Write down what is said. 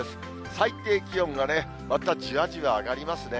最低気温がね、またじわじわ上がりますね。